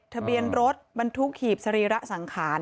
ทะเบียนรถบรรทุกหีบสรีระสังขาร